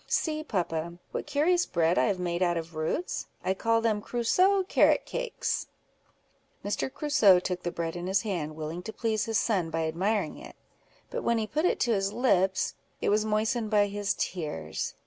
See, papa, what curious bread I have made out of roots: I call them Crusoe carrot cakes." Mr. Crusoe took the bread in his hand, willing to please his son by admiring it; but when he put it to his lips, it was moistened by his tears.